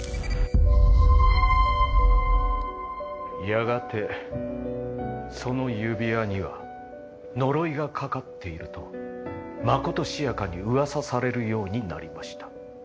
やがてその指輪には呪いがかかっているとまことしやかに噂されるようになりました。